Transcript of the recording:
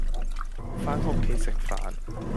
返屋企食飯